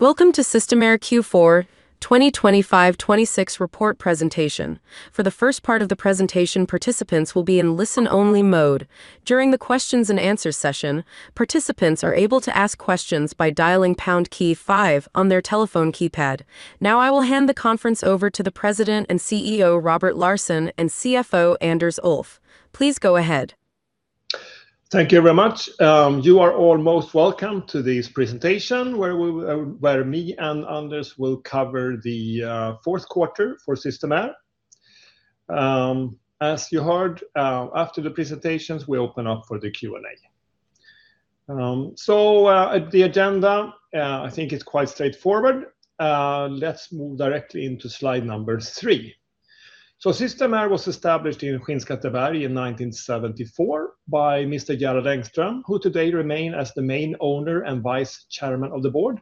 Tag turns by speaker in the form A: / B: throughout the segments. A: Welcome to Systemair Q4 2025/2026 report presentation. For the first part of the presentation, participants will be in listen-only mode. During the questions-and-answers session, participants are able to ask questions by dialing pound key five on their telephone keypad. I will hand the conference over to the President and CEO, Robert Larsson, and CFO, Anders Ulff. Please go ahead.
B: Thank you very much. You are all most welcome to this presentation, where me and Anders will cover the fourth quarter for Systemair. As you heard, after the presentations, we open up for the Q&A. The agenda, I think it's quite straightforward. Let's move directly into slide number three. Systemair was established in Skinnskatteberg in 1974 by Mr. Gerald Engström, who today remain as the main owner and Vice Chairman of the Board.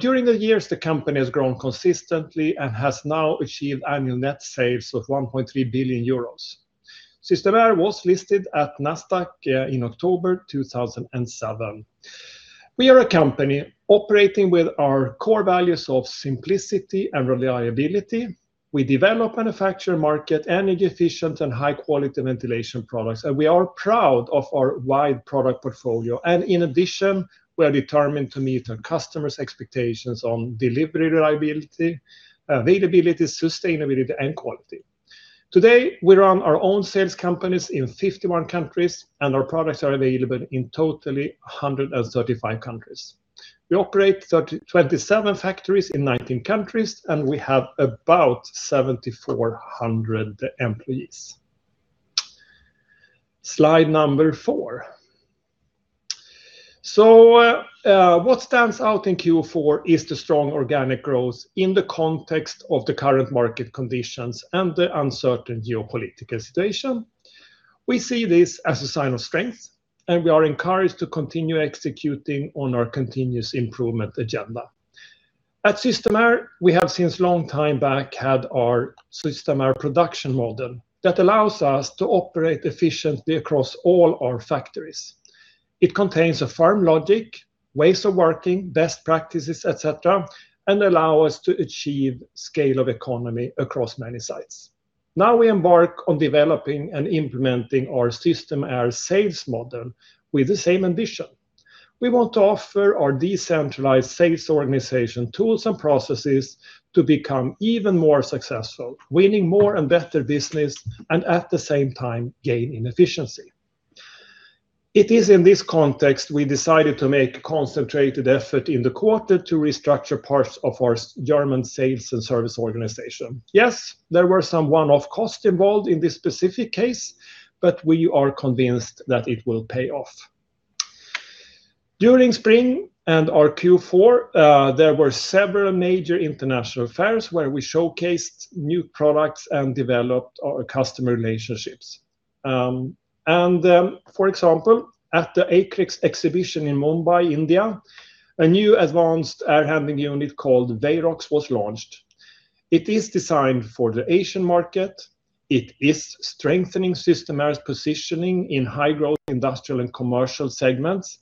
B: During the years, the company has grown consistently and has now achieved annual net sales of 1.3 billion euros. Systemair was listed at Nasdaq in October 2007. We are a company operating with our core values of simplicity and reliability. We develop, manufacture, market energy efficient and high-quality ventilation products, we are proud of our wide product portfolio. In addition, we are determined to meet our customers' expectations on delivery reliability, availability, sustainability, and quality. Today, we run our own sales companies in 51 countries, and our products are available in totally 135 countries. We operate 27 factories in 19 countries, and we have about 7,400 employees. Slide number four. What stands out in Q4 is the strong organic growth in the context of the current market conditions and the uncertain geopolitical situation. We see this as a sign of strength, and we are encouraged to continue executing on our continuous improvement agenda. At Systemair, we have since long time back had our Systemair production model that allows us to operate efficiently across all our factories. It contains a firm logic, ways of working, best practices, et cetera, and allow us to achieve scale of economy across many sites. We embark on developing and implementing our Systemair sales model with the same ambition. We want to offer our decentralized sales organization tools and processes to become even more successful, winning more and better business, and at the same time gain in efficiency. It is in this context we decided to make concentrated effort in the quarter to restructure parts of our German sales and service organization. There were some one-off costs involved in this specific case, but we are convinced that it will pay off. During spring and our Q4, there were several major international fairs where we showcased new products and developed our customer relationships. For example, at the ACREX exhibition in Mumbai, India, a new advanced air handling unit called VAIROX was launched. It is designed for the Asian market. It is strengthening Systemair's positioning in high growth industrial and commercial segments,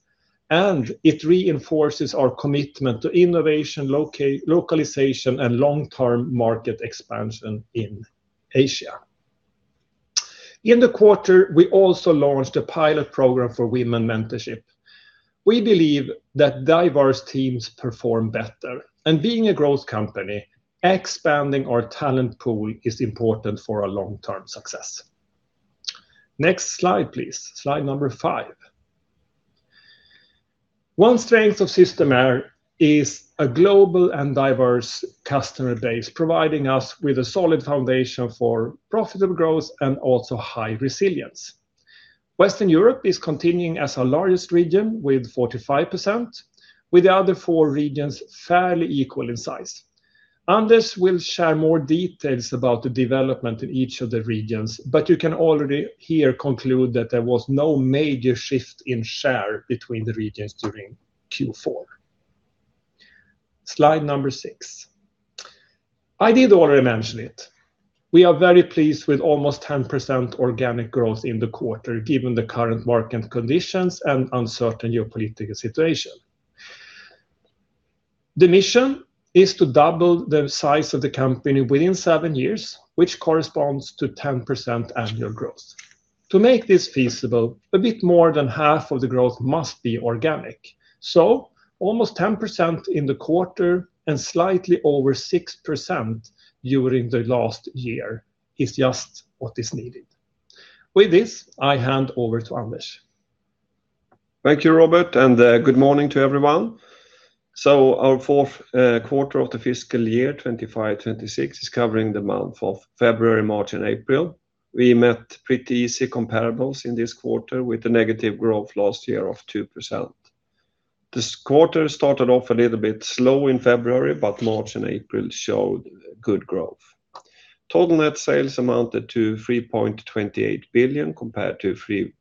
B: and it reinforces our commitment to innovation, localization, and long-term market expansion in Asia. In the quarter, we also launched a pilot program for women mentorship. We believe that diverse teams perform better, and being a growth company, expanding our talent pool is important for our long-term success. Next slide, please. Slide number five. One strength of Systemair is a global and diverse customer base, providing us with a solid foundation for profitable growth and also high resilience. Western Europe is continuing as our largest region with 45%, with the other four regions fairly equal in size. Anders will share more details about the development in each of the regions, but you can already here conclude that there was no major shift in share between the regions during Q4. Slide number six. I did already mention it. We are very pleased with almost 10% organic growth in the quarter, given the current market conditions and uncertain geopolitical situation. The mission is to double the size of the company within seven years, which corresponds to 10% annual growth. To make this feasible, a bit more than half of the growth must be organic. Almost 10% in the quarter and slightly over 6% during the last year is just what is needed. With this, I hand over to Anders.
C: Thank you, Robert, and good morning to everyone. Our fourth quarter of the fiscal year FY 2025/2026 is covering the month of February, March, and April. We met pretty easy comparables in this quarter with the negative growth last year of 2%. This quarter started off a little bit slow in February, but March and April showed good growth. Total net sales amounted to 3.28 billion compared to 3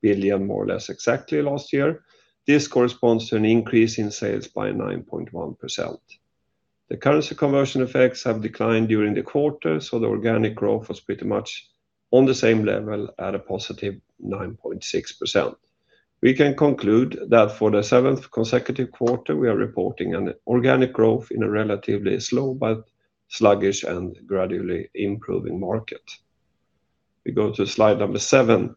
C: billion more or less exactly last year. This corresponds to an increase in sales by 9.1%. The currency conversion effects have declined during the quarter, so the organic growth was pretty much on the same level at a +9.6%. We can conclude that for the seventh consecutive quarter, we are reporting an organic growth in a relatively slow, but sluggish and gradually improving market. We go to slide number seven.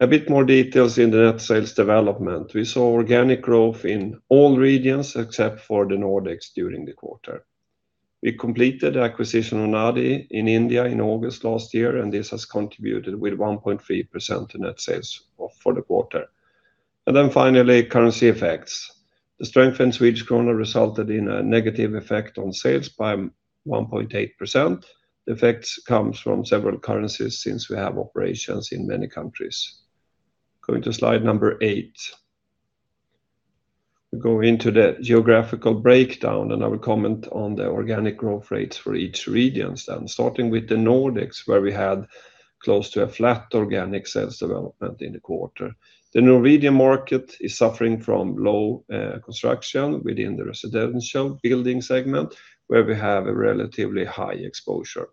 C: A bit more details in the net sales development. We saw organic growth in all regions except for the Nordics during the quarter. We completed the acquisition of ADI in India in August last year, and this has contributed with 1.3% in net sales for the quarter. Then finally, currency effects. The strength in Swedish krona resulted in a negative effect on sales by 1.8%. The effects comes from several currencies since we have operations in many countries. Going to slide number eight. We go into the geographical breakdown, I will comment on the organic growth rates for each regions then, starting with the Nordics, where we had close to a flat organic sales development in the quarter. The Norwegian market is suffering from low construction within the residential building segment, where we have a relatively high exposure.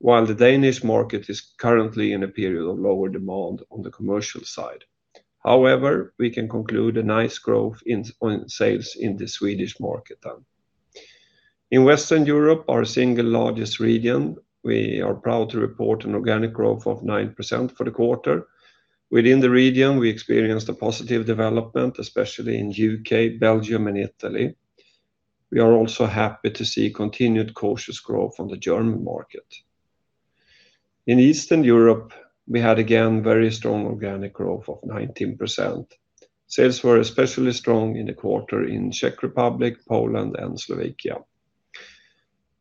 C: While the Danish market is currently in a period of lower demand on the commercial side. However, we can conclude a nice growth in sales in the Swedish market then. In Western Europe, our single largest region, we are proud to report an organic growth of 9% for the quarter. Within the region, we experienced a positive development, especially in U.K., Belgium, and Italy. We are also happy to see continued cautious growth on the German market. In Eastern Europe, we had again, very strong organic growth of 19%. Sales were especially strong in the quarter in Czech Republic, Poland, and Slovakia.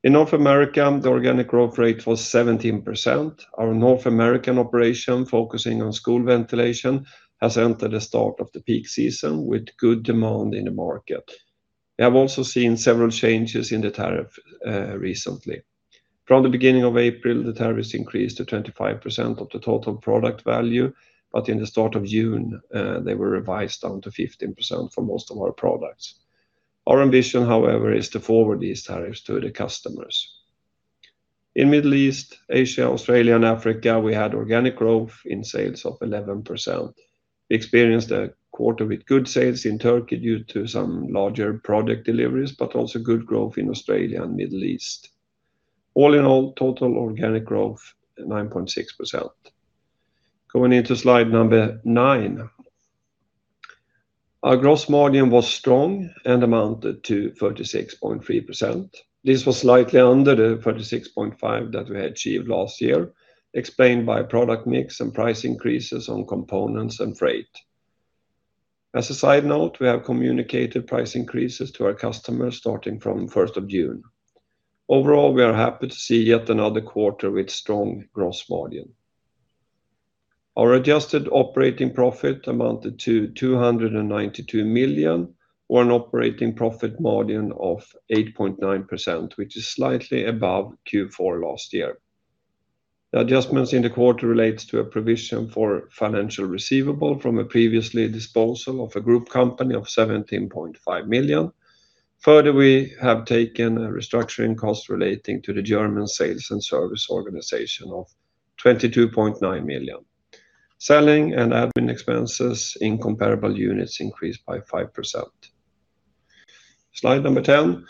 C: In North America, the organic growth rate was 17%. Our North American operation focusing on school ventilation has entered the start of the peak season with good demand in the market. We have also seen several changes in the tariff recently. From the beginning of April, the tariffs increased to 25% of the total product value, but in the start of June, they were revised down to 15% for most of our products. Our ambition, however, is to forward these tariffs to the customers. In Middle East, Asia, Australia, and Africa, we had organic growth in sales of 11%. We experienced a quarter with good sales in Turkey due to some larger project deliveries, but also good growth in Australia and Middle East. All in all, total organic growth, 9.6%. Going into slide number nine. Our gross margin was strong and amounted to 36.3%. This was slightly under the 36.5% that we had achieved last year, explained by product mix and price increases on components and freight. As a side note, we have communicated price increases to our customers starting from 1st of June. Overall, we are happy to see yet another quarter with strong gross margin. Our adjusted operating profit amounted to 292 million, or an operating profit margin of 8.9%, which is slightly above Q4 last year. The adjustments in the quarter relates to a provision for financial receivable from a previously disposal of a group company of 17.5 million. Further, we have taken a restructuring cost relating to the German sales and service organization of 22.9 million. Selling and admin expenses in comparable units increased by 5%. Slide number 10.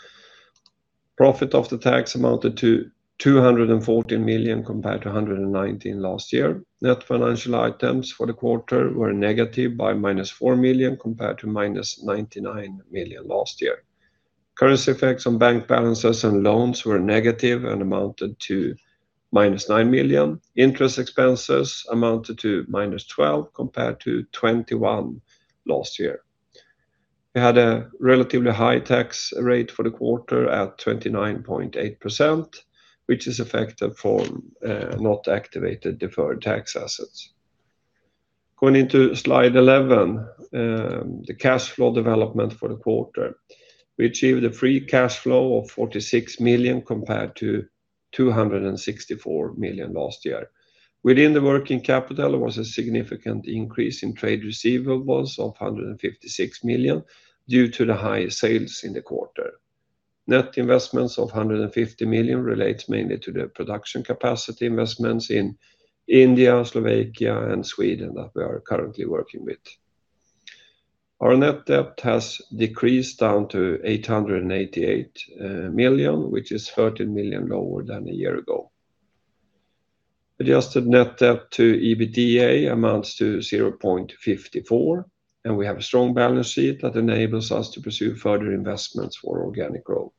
C: Profit of the tax amounted to 214 million compared to 119 million last year. Net financial items for the quarter were negative by -4 million compared to -99 million last year. Currency effects on bank balances and loans were negative and amounted to -9 million. Interest expenses amounted to -12 million compared to 21 million last year. We had a relatively high tax rate for the quarter at 29.8%, which is effective for not activated deferred tax assets. Going into slide 11, the cash flow development for the quarter. We achieved a free cash flow of 46 million compared to 264 million last year. Within the working capital was a significant increase in trade receivables of 156 million due to the high sales in the quarter. Net investments of 150 million relates mainly to the production capacity investments in India, Slovakia, and Sweden that we are currently working with. Our net debt has decreased down to 888 million, which is 30 million lower than a year ago. Adjusted net debt to EBITDA amounts to 0.54, and we have a strong balance sheet that enables us to pursue further investments for organic growth.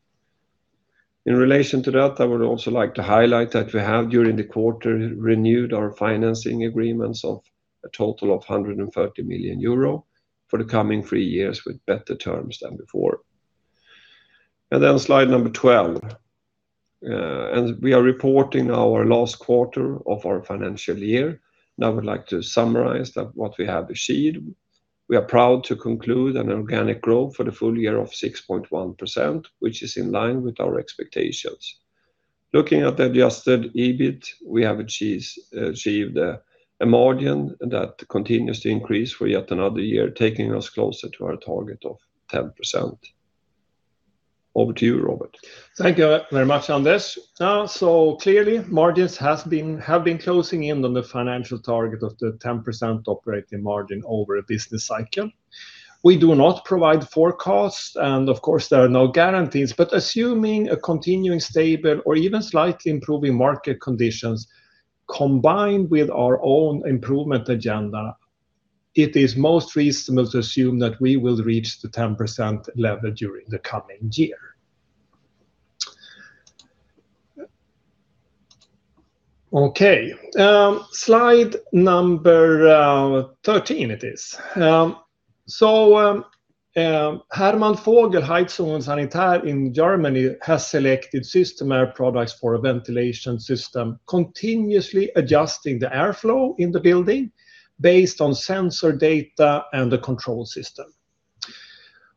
C: In relation to that, I would also like to highlight that we have, during the quarter, renewed our financing agreements of a total of 130 million euro for the coming three years with better terms than before. Then slide number 12. As we are reporting our last quarter of our financial year, now I would like to summarize that what we have achieved. We are proud to conclude an organic growth for the full year of 6.1%, which is in line with our expectations. Looking at the adjusted EBIT, we have achieved a margin that continues to increase for yet another year, taking us closer to our target of 10%. Over to you, Robert.
B: Thank you very much, Anders. Clearly margins have been closing in on the financial target of the 10% operating margin over a business cycle. We do not provide forecasts, and of course, there are no guarantees, but assuming a continuing stable or even slightly improving market conditions, combined with our own improvement agenda, it is most reasonable to assume that we will reach the 10% level during the coming year. Okay. Slide number 13 it is. Hermann Vogel Heizung-Sanitär in Germany has selected Systemair products for a ventilation system, continuously adjusting the airflow in the building based on sensor data and the control system.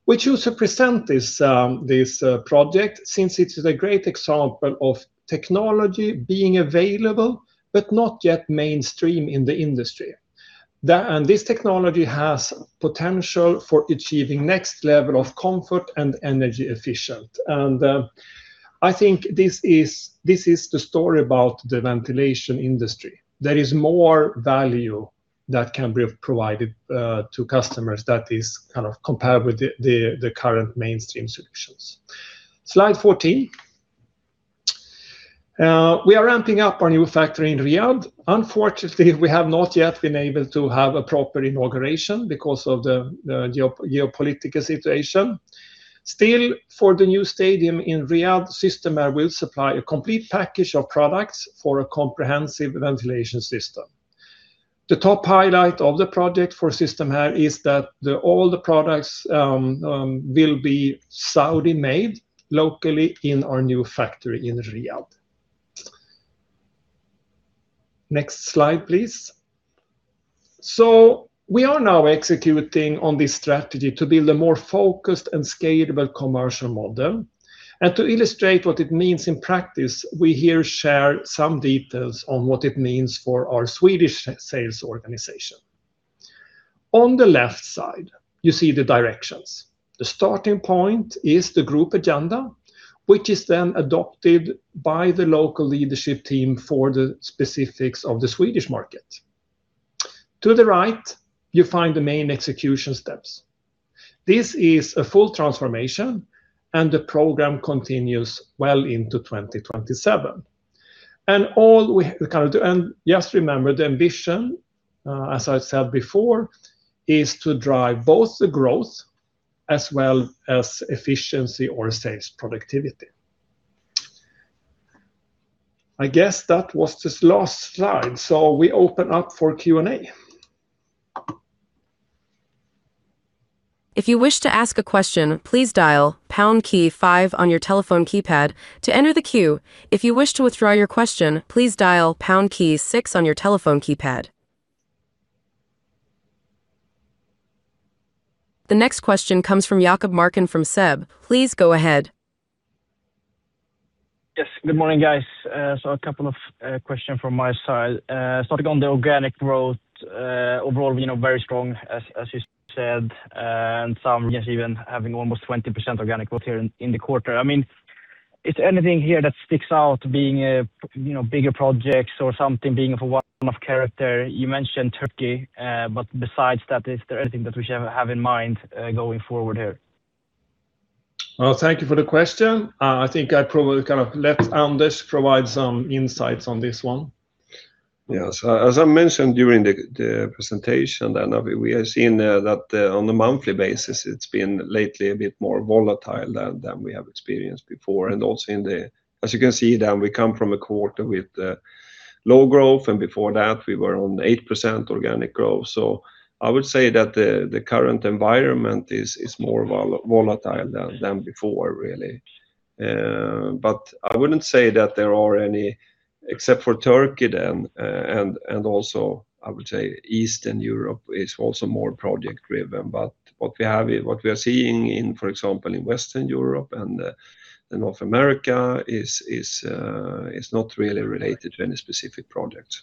B: We choose to present this project since it is a great example of technology being available, but not yet mainstream in the industry. This technology has potential for achieving next level of comfort and energy efficient. I think this is the story about the ventilation industry. There is more value that can be provided to customers that is compared with the current mainstream solutions. Slide 14. We are ramping up our new factory in Riyadh. Unfortunately, we have not yet been able to have a proper inauguration because of the geopolitical situation. Still, for the new stadium in Riyadh, Systemair will supply a complete package of products for a comprehensive ventilation system. The top highlight of the project for Systemair is that all the products will be Saudi-made locally in our new factory in Riyadh. Next slide, please. We are now executing on this strategy to build a more focused and scalable commercial model. To illustrate what it means in practice, we here share some details on what it means for our Swedish sales organization. On the left side, you see the directions. The starting point is the group agenda, which is then adopted by the local leadership team for the specifics of the Swedish market. To the right, you find the main execution steps. This is a full transformation and the program continues well into 2027. Just remember the ambition, as I said before, is to drive both the growth as well as efficiency or sales productivity. I guess that was this last slide. We open up for Q&A.
A: If you wish to ask a question, please dial pound key five on your telephone keypad to enter the queue. If you wish to withdraw your question, please dial pound key six on your telephone keypad. The next question comes from Jakob Marken from SEB. Please go ahead.
D: Yes, good morning, guys. A couple of question from my side. Starting on the organic growth, overall, very strong as you said, and some regions even having almost 20% organic growth here in the quarter. Is there anything here that sticks out being bigger projects or something being of a character? You mentioned Turkey, but besides that, is there anything that we should have in mind going forward here?
B: Well, thank you for the question. I think I probably let Anders provide some insights on this one.
C: Yeah. As I mentioned during the presentation, we have seen that on the monthly basis, it's been lately a bit more volatile than we have experienced before. Also as you can see, we come from a quarter with low growth, and before that we were on 8% organic growth. I would say that the current environment is more volatile than before, really. I wouldn't say that there are any, except for Turkey, and also I would say Eastern Europe is also more project driven. What we are seeing for example, in Western Europe and North America is not really related to any specific projects.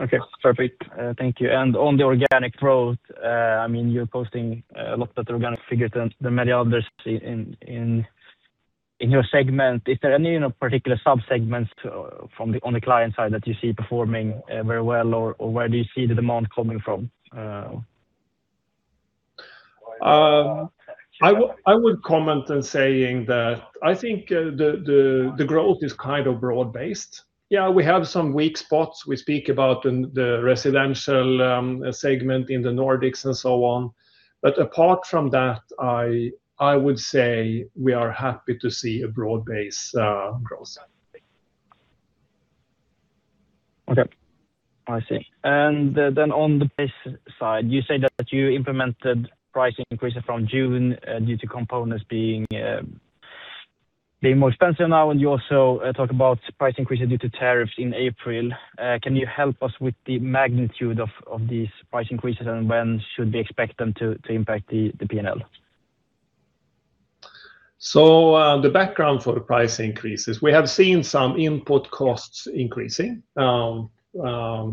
D: Okay, perfect. Thank you. On the organic growth, you're posting a lot of organic figures than many others in your segment. Is there any particular sub-segments on the client side that you see performing very well, or where do you see the demand coming from?
B: I would comment on saying that I think the growth is broad-based. Yes, we have some weak spots. We speak about the residential segment in the Nordics and so on. Apart from that, I would say we are happy to see a broad-based growth.
D: Okay, I see. On the base side, you say that you implemented price increases from June due to components being more expensive now, and you also talk about price increases due to tariffs in April. Can you help us with the magnitude of these price increases, and when should we expect them to impact the P&L?
B: The background for the price increases, we have seen some input costs increasing.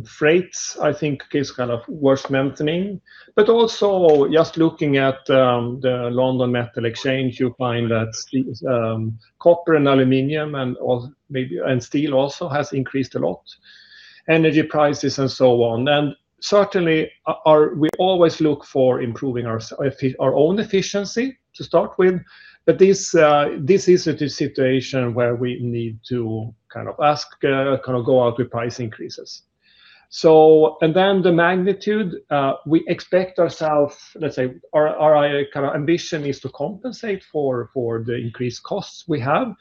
B: Freights, I think is worth mentioning, but also just looking at the London Metal Exchange, you find that copper and aluminum and steel also has increased a lot, energy prices and so on. Certainly, we always look for improving our own efficiency to start with, but this is the situation where we need to ask, go out with price increases. The magnitude, we expect ourselves, let's say our ambition is to compensate for the increased costs we have.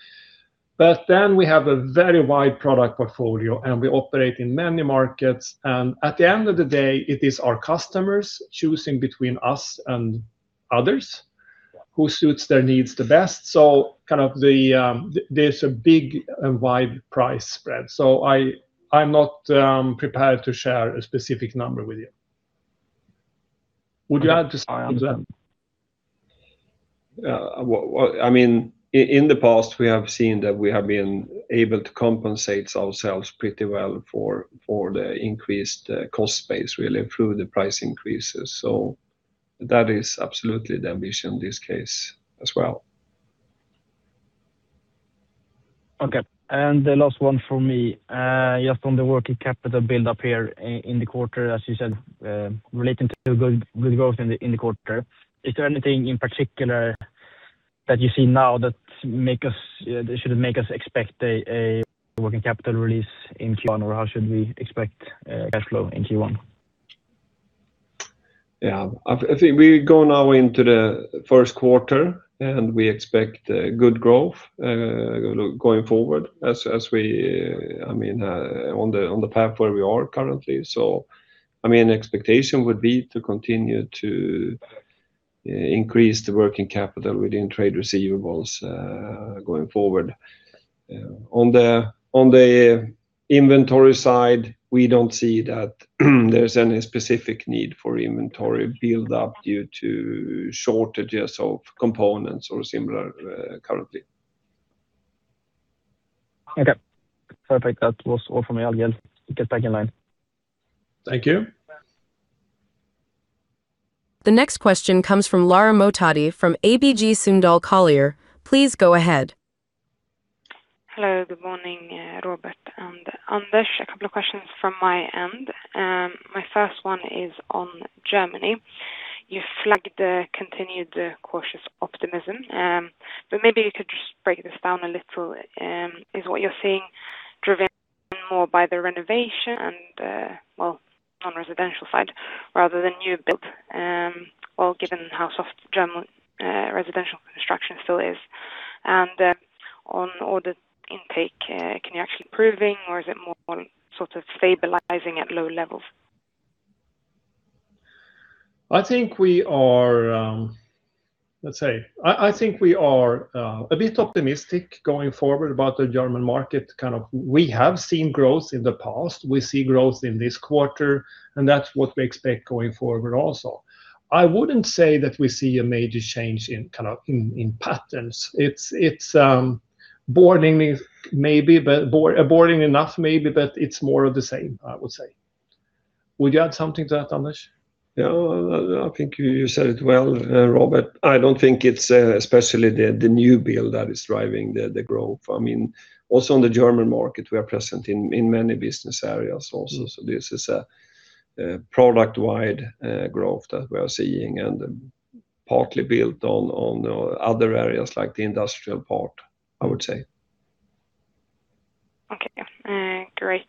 B: We have a very wide product portfolio, and we operate in many markets, and at the end of the day, it is our customers choosing between us and others who suits their needs the best. There's a big and wide price spread. I'm not prepared to share a specific number with you. Would you add to that, Anders?
C: In the past, we have seen that we have been able to compensate ourselves pretty well for the increased cost base really through the price increases. That is absolutely the ambition in this case as well.
D: Okay. The last one from me, just on the working capital build up here in the quarter, as you said, relating to good growth in the quarter, is there anything in particular that you see now that should make us expect a working capital release in Q1, or how should we expect cash flow in Q1?
C: Yeah. I think we go now into the first quarter, and we expect good growth going forward on the path where we are currently. Expectation would be to continue to increase the working capital within trade receivables going forward. On the inventory side, we don't see that there's any specific need for inventory build up due to shortages of components or similar currently.
D: Okay. Perfect. That was all from me. I'll get back in line.
C: Thank you.
A: The next question comes from Lara Mohtadi from ABG Sundal Collier. Please go ahead.
E: Hello. Good morning, Robert and Anders. A couple of questions from my end. My first one is on Germany. You flagged the continued cautious optimism, but maybe you could just break this down a little. Is what you're seeing driven more by the renovation and, well, on residential side rather than new build, well, given how soft German residential construction still is? On order intake, can you actually improving or is it more sort of stabilizing at low levels?
B: I think we are a bit optimistic going forward about the German market. We have seen growth in the past. We see growth in this quarter. That's what we expect going forward also. I wouldn't say that we see a major change in patterns. It's boring enough maybe. It's more of the same, I would say. Would you add something to that, Anders?
C: No, I think you said it well, Robert. I don't think it's especially the new build that is driving the growth. On the German market, we are present in many business areas also. This is a product-wide growth that we are seeing and partly built on other areas like the industrial part, I would say.
E: Okay. Great.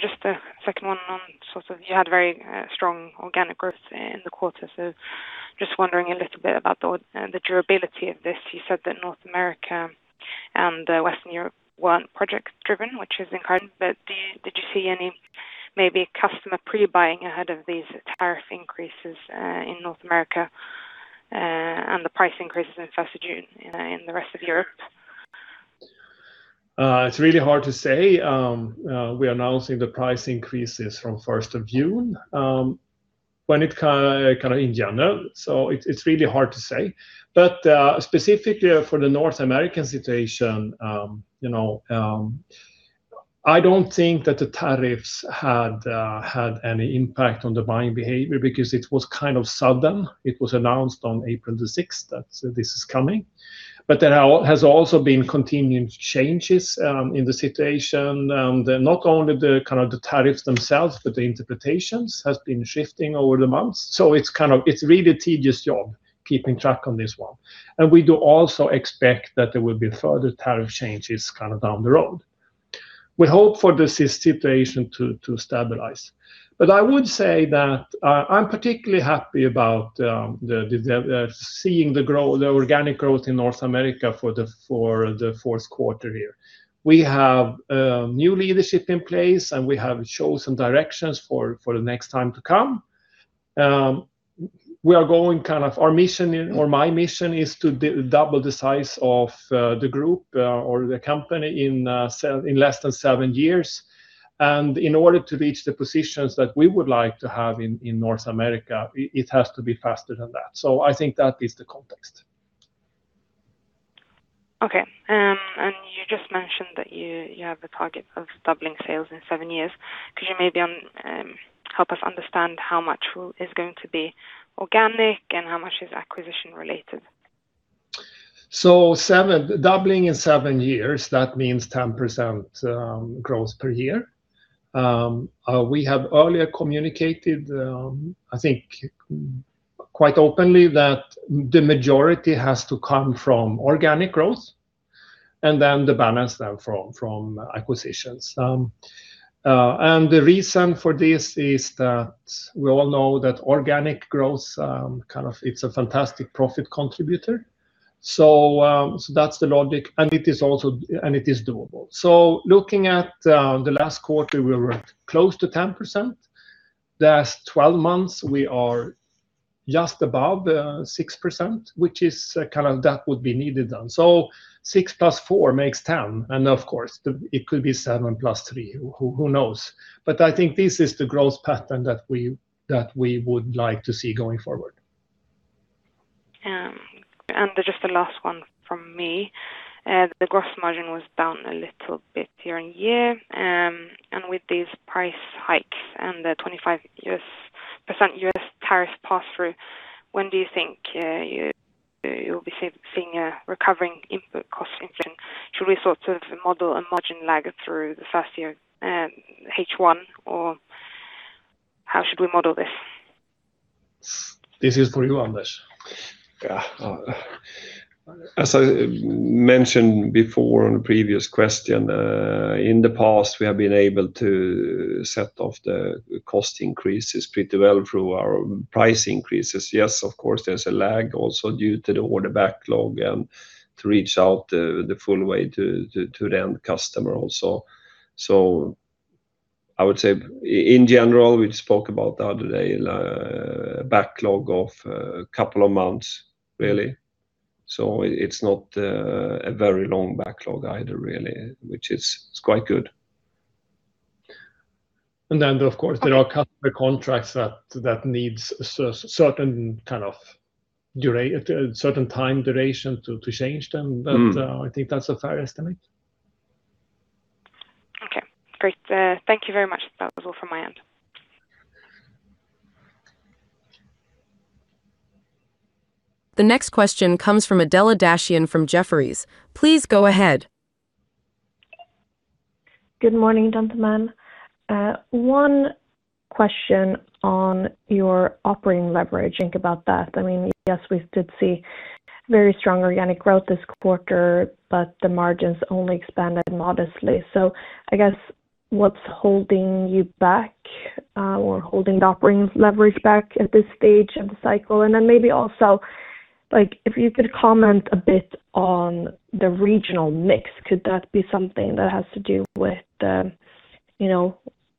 E: Just a second one on sort of, you had very strong organic growth in the quarter. Just wondering a little bit about the durability of this. You said that North America and Western Europe weren't project driven, which is encouraging. Did you see any maybe customer pre-buying ahead of these tariff increases in North America, and the price increases in 1st of June in the rest of Europe?
B: It's really hard to say. We are announcing the price increases from 1st of June in general. It's really hard to say. Specifically for the North American situation, I don't think that the tariffs had any impact on the buying behavior because it was kind of sudden. It was announced on April the 6th that this is coming. There has also been continued changes in the situation, not only the tariffs themselves, but the interpretations has been shifting over the months. It's a really tedious job keeping track on this one. We do also expect that there will be further tariff changes down the road. We hope for the situation to stabilize. I would say that I'm particularly happy about seeing the organic growth in North America for the fourth quarter here. We have new leadership in place, and we have chosen directions for the next time to come. Our mission, or my mission is to double the size of the group or the company in less than seven years. In order to reach the positions that we would like to have in North America, it has to be faster than that. I think that is the context.
E: Okay. You just mentioned that you have the target of doubling sales in seven years. Could you maybe help us understand how much is going to be organic and how much is acquisition-related?
B: Doubling in seven years, that means 10% growth per year. We have earlier communicated, I think quite openly, that the majority has to come from organic growth and then the balance from acquisitions. The reason for this is that we all know that organic growth, it's a fantastic profit contributor. That's the logic. It is doable. Looking at the last quarter, we were close to 10%. The last 12 months, we are just above 6%, which that would be needed then. Six plus four makes 10, and of course it could be seven plus three, who knows? I think this is the growth pattern that we would like to see going forward.
E: Just the last one from me. The gross margin was down a little bit year-over-year. With these price hikes and the 25% U.S. tariff pass-through, when do you think you'll be seeing a recovering input cost inflation? Should we sort of model a margin lag through the first year H1, or how should we model this?
B: This is for you, Anders.
C: Yeah. As I mentioned before on the previous question, in the past, we have been able to set off the cost increases pretty well through our price increases. Yes, of course, there's a lag also due to the order backlog and to reach out the full way to the end customer also. I would say in general, we spoke about the other day, a backlog of a couple of months really. It's not a very long backlog either really, which is quite good.
B: Of course, there are customer contracts that needs a certain time duration to change them. I think that's a fair estimate.
E: Okay, great. Thank you very much. That was all from my end.
A: The next question comes from Adela Dashian from Jefferies. Please go ahead.
F: Good morning, gentlemen. One question on your operating leverage, think about that. Yes, we did see very strong organic growth this quarter, but the margins only expanded modestly. I guess what's holding you back or holding the operating leverage back at this stage of the cycle? Maybe also, if you could comment a bit on the regional mix, could that be something that has to do with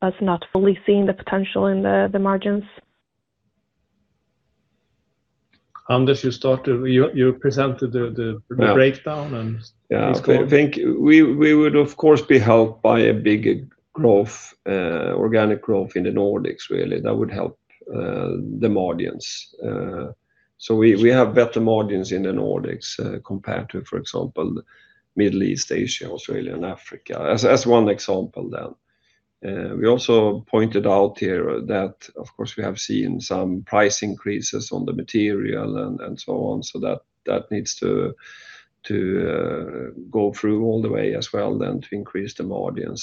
F: us not fully seeing the potential in the margins?
B: Anders, you start. You presented the breakdown.
C: Yeah. I think we would, of course, be helped by a bigger organic growth in the Nordics, really, that would help the margins. We have better margins in the Nordics compared to, for example, Middle East, Asia, Australia, and Africa, as one example then. We also pointed out here that, of course, we have seen some price increases on the material and so on. That needs to go through all the way as well then to increase the margin.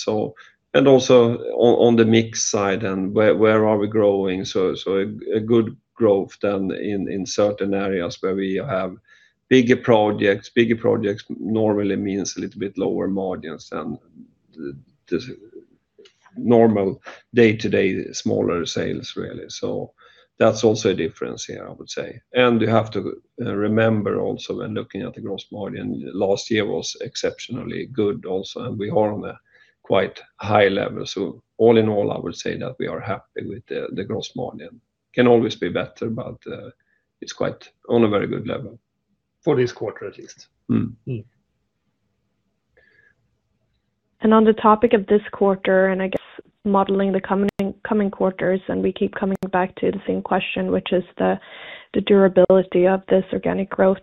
C: Also on the mix side and where are we growing, a good growth then in certain areas where we have bigger projects. Bigger projects normally means a little bit lower margins than the normal day-to-day smaller sales, really. That's also a difference here, I would say. You have to remember also, when looking at the gross margin, last year was exceptionally good also, and we are on a quite high level. All in all, I would say that we are happy with the gross margin. Can always be better, but it's on a very good level.
B: For this quarter, at least.
F: On the topic of this quarter, and I guess modeling the coming quarters, and we keep coming back to the same question, which is the durability of this organic growth.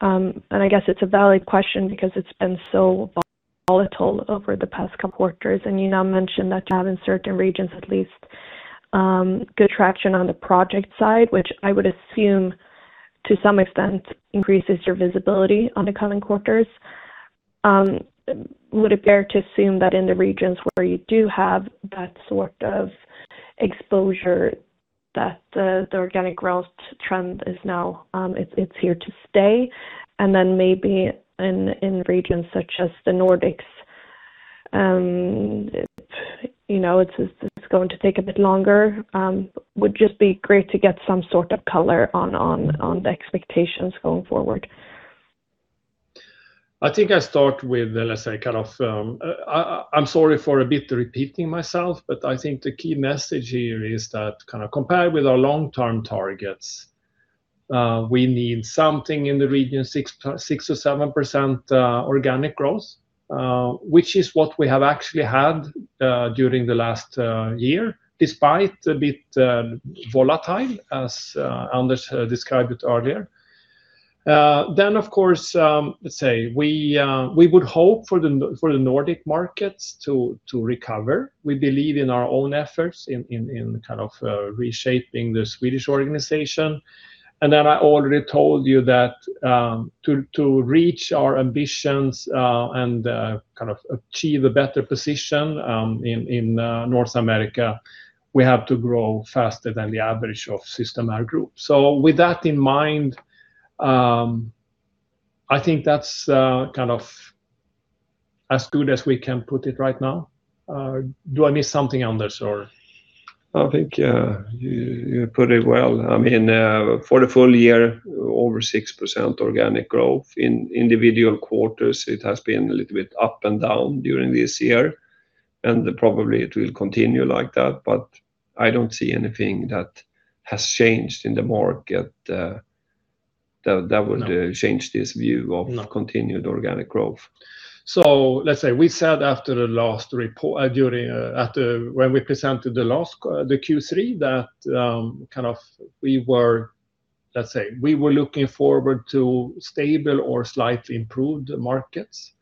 F: I guess it's a valid question because it's been so volatile over the past couple quarters. You now mentioned that you have, in certain regions at least, good traction on the project side, which I would assume to some extent increases your visibility on the coming quarters. Would it be fair to assume that in the regions where you do have that sort of exposure, that the organic growth trend is now here to stay? Then maybe in regions such as the Nordics, it's going to take a bit longer? Would just be great to get some sort of color on the expectations going forward.
B: I think I start with, let's say I'm sorry for a bit repeating myself, but I think the key message here is that compared with our long-term targets, we need something in the region, 6% or 7% organic growth, which is what we have actually had during the last year, despite a bit volatile, as Anders described it earlier. Of course, let's say we would hope for the Nordic markets to recover. We believe in our own efforts in reshaping the Swedish organization. I already told you that to reach our ambitions and achieve a better position in North America, we have to grow faster than the average of Systemair Group. With that in mind, I think that's as good as we can put it right now. Do I miss something, Anders?
C: I think you put it well. For the full year, over 6% organic growth. In individual quarters, it has been a little bit up and down during this year, and probably it will continue like that, but I don't see anything that has changed in the market that would change this view of continued organic growth.
B: Let's say we said when we presented the Q3 that we were looking forward to stable or slightly improved markets,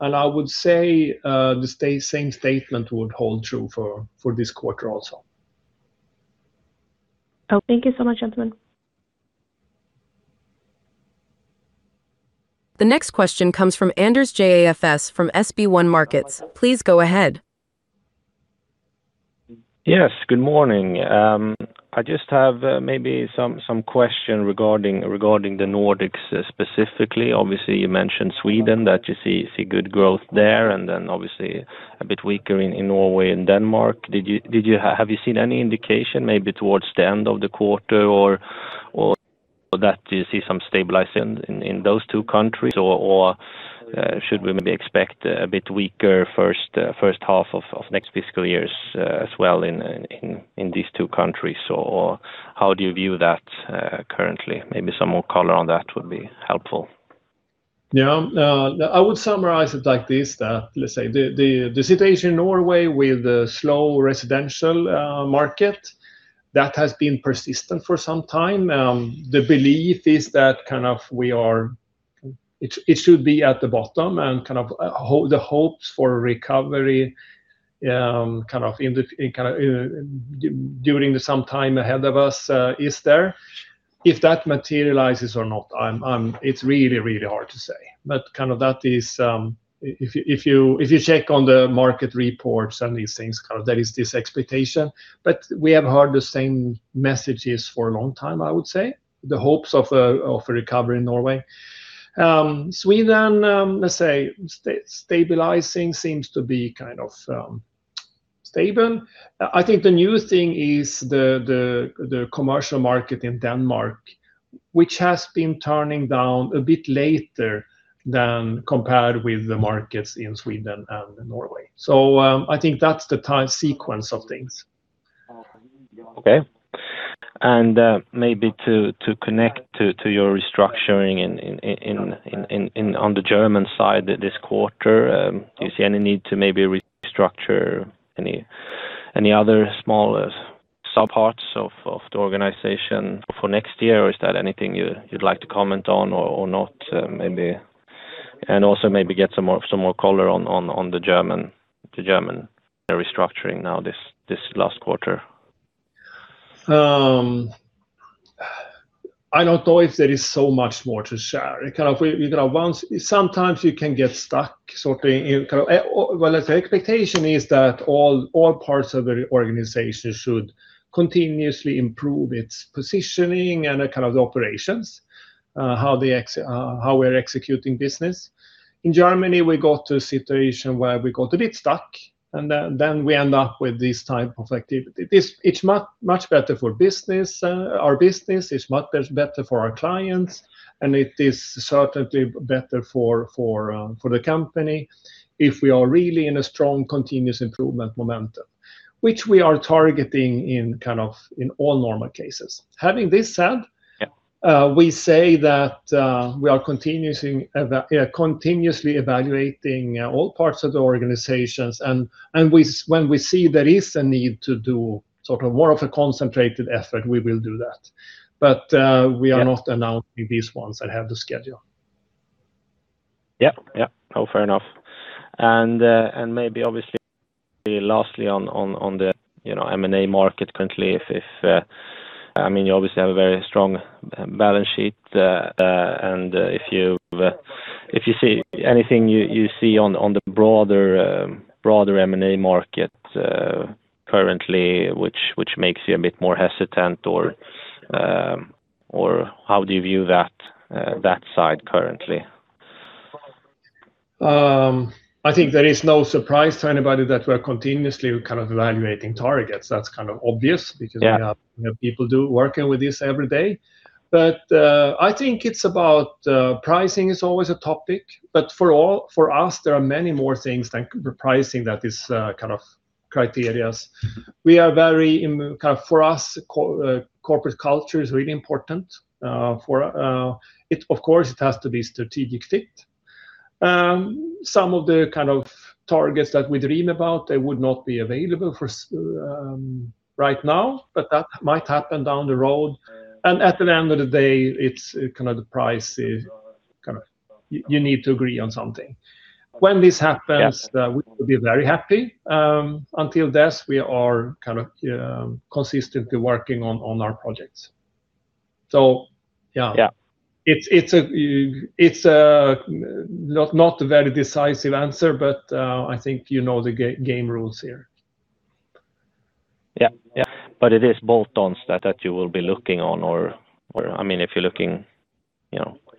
B: I would say the same statement would hold true for this quarter also.
F: Thank you so much, gentlemen.
A: The next question comes from Anders Jåfs from SB1 Markets. Please go ahead.
G: Yes, good morning. I just have maybe some question regarding the Nordics specifically. Obviously, you mentioned Sweden, that you see good growth there, and then obviously a bit weaker in Norway and Denmark. Have you seen any indication, maybe towards the end of the quarter, or that you see some stabilizing in those two countries, or should we maybe expect a bit weaker first half of next fiscal years as well in these two countries, or how do you view that currently? Maybe some more color on that would be helpful.
B: Yeah. I would summarize it like this, that let's say the situation in Norway with the slow residential market, that has been persistent for some time. The belief is that it should be at the bottom and the hopes for recovery during some time ahead of us is there. If that materializes or not, it's really hard to say. If you check on the market reports and these things, there is this expectation, but we have heard the same messages for a long time, I would say, the hopes of a recovery in Norway. Sweden, let's say stabilizing seems to be stable. I think the new thing is the commercial market in Denmark, which has been turning down a bit later than compared with the markets in Sweden and Norway. I think that's the time sequence of things.
G: Okay. Maybe to connect to your restructuring on the German side this quarter, do you see any need to maybe restructure any other smaller sub-parts of the organization for next year, or is that anything you'd like to comment on or not? Also maybe get some more color on the German restructuring now this last quarter.
B: I don't know if there is so much more to share. Sometimes you can get stuck sorting. Well, let's say expectation is that all parts of the organization should continuously improve its positioning and the operations, how we're executing business. In Germany, we got to a situation where we got a bit stuck. Then we end up with this type of activity. It's much better for our business, it's much better for our clients. It is certainly better for the company if we are really in a strong continuous improvement momentum, which we are targeting in all normal cases. Having this said.
G: Yeah
B: We say that we are continuously evaluating all parts of the organizations, when we see there is a need to do more of a concentrated effort, we will do that. We are not announcing these ones that have the schedule.
G: Yeah. No, fair enough. Maybe obviously lastly on the M&A market currently, you obviously have a very strong balance sheet. Anything you see on the broader M&A market currently which makes you a bit more hesitant, or how do you view that side currently?
B: I think there is no surprise to anybody that we're continuously evaluating targets. That's obvious because.
G: Yeah.
B: we have people working with this every day. I think pricing is always a topic, but for us, there are many more things than repricing that is criteria. For us, corporate culture is really important. Of course, it has to be strategic fit. Some of the targets that we dream about would not be available right now, but that might happen down the road. At the end of the day, it's the price. You need to agree on something. When this happens-
C: Yeah.
B: We will be very happy. Until then, we are consistently working on our projects. Yeah.
C: Yeah.
B: It's not a very decisive answer, I think you know the game rules here.
G: Yeah. It is bolt-ons that you will be looking on, if you're looking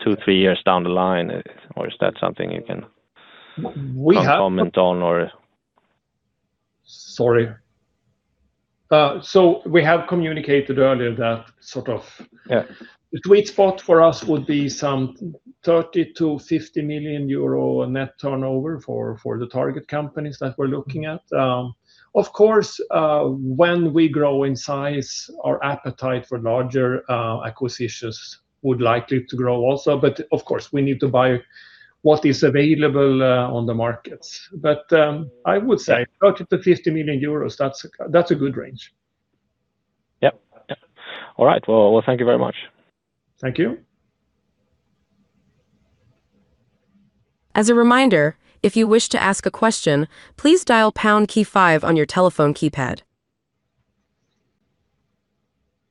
G: two, three years down the line, or is that something you can comment on?
B: Sorry. We have communicated earlier that.
G: Yeah.
B: The sweet spot for us would be some 30 million-50 million euro net turnover for the target companies that we're looking at. Of course, when we grow in size, our appetite for larger acquisitions would likely to grow also. Of course, we need to buy what is available on the markets. I would say 30 million-50 million euros, that's a good range.
G: Yep. All right. Well, thank you very much.
B: Thank you.
A: As a reminder, if you wish to ask a question, please dial pound key five on your telephone keypad.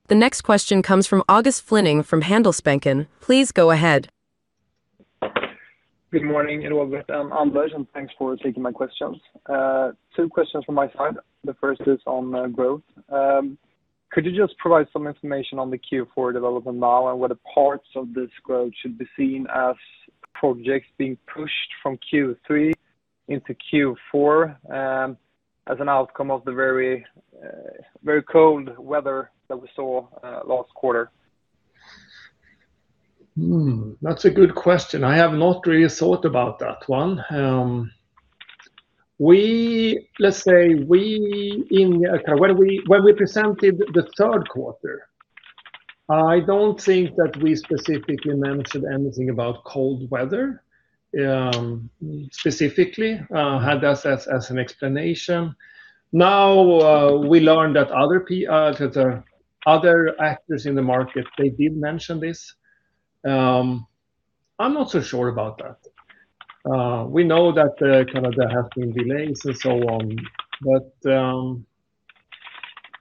A: The next question comes from August Flyning from Handelsbanken. Please go ahead.
H: Good morning, Ingvar and Anders, thanks for taking my questions. Two questions from my side. The first is on growth. Could you just provide some information on the Q4 development now, and what parts of this growth should be seen as projects being pushed from Q3 into Q4, as an outcome of the very cold weather that we saw last quarter?
B: That's a good question. I have not really thought about that one. When we presented the third quarter, I don't think that we specifically mentioned anything about cold weather, specifically had that as an explanation. Now we learn that other actors in the market did mention this. I'm not so sure about that. We know that there have been delays and so on, but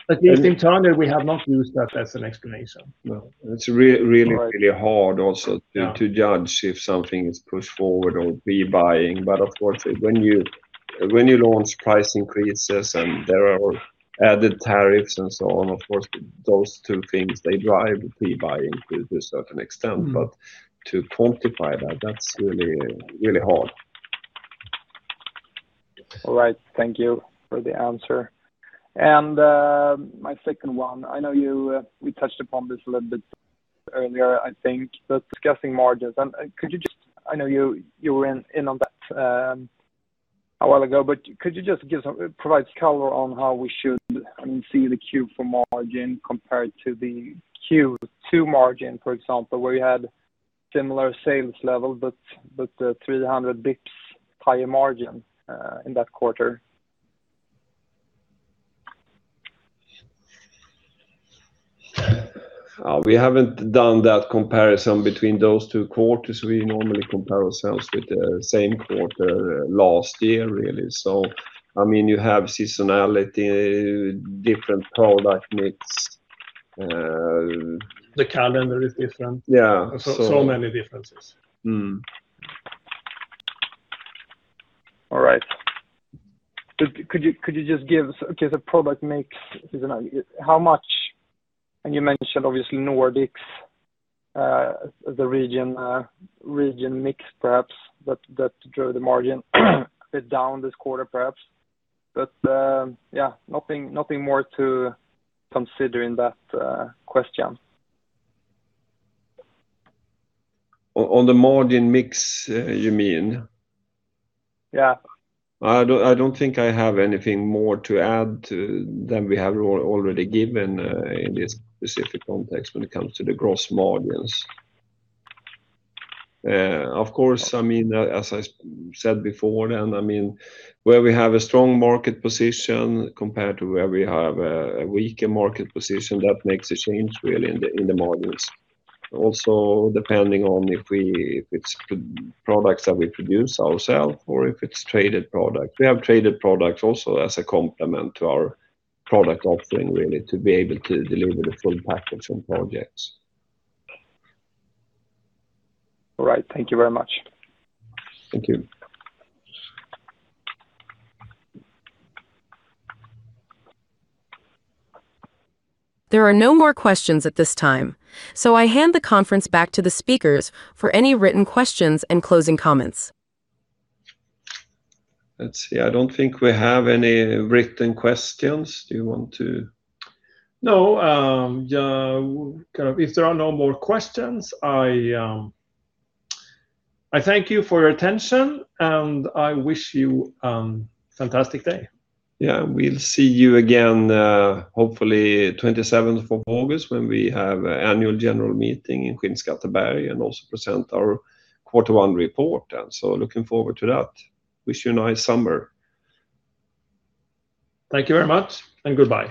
B: at least internally, we have not used that as an explanation.
C: No. It's really hard also to judge if something is pushed forward or pre-buying. Of course, when you launch price increases and there are added tariffs and so on, of course, those two things drive pre-buying to a certain extent. To quantify that's really hard.
H: All right. Thank you for the answer. My second one, I know we touched upon this a little bit earlier, I think, but discussing margins. I know you were in on that a while ago, but could you just provide color on how we should see the Q4 margin compared to the Q2 margin, for example, where you had similar sales level but 300 bps higher margin in that quarter?
C: We haven't done that comparison between those two quarters. We normally compare ourselves with the same quarter last year, really. You have seasonality, different product mix.
B: The calendar is different.
C: Yeah.
B: Many differences.
H: All right. Could you just give us, because of product mix seasonality, how much, and you mentioned obviously Nordics? the region mix perhaps that drove the margin a bit down this quarter, perhaps? Nothing more to consider in that question.
C: On the margin mix, you mean?
H: Yeah.
C: I don't think I have anything more to add than we have already given in this specific context when it comes to the gross margins. Of course, as I said before, where we have a strong market position compared to where we have a weaker market position, that makes a change, really, in the margins. Also, depending on if it's products that we produce ourself or if it's traded product. We have traded products also as a complement to our product offering, really, to be able to deliver the full package on projects.
H: All right. Thank you very much.
C: Thank you.
A: There are no more questions at this time. I hand the conference back to the speakers for any written questions and closing comments.
C: Let's see. I don't think we have any written questions. Do you want to?
B: No. If there are no more questions, I thank you for your attention, and I wish you a fantastic day.
C: Yeah. We'll see you again, hopefully 27th of August when we have annual general meeting in Skinnskatteberg and also present our quarter one report then. Looking forward to that. Wish you a nice summer.
B: Thank you very much and goodbye.